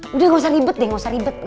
udah gak usah ribet deh gak usah ribet